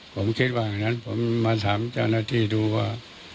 ผมคิดว่าอย่างนั้นผมมาถามเจ้าหน้าที่ดูว่า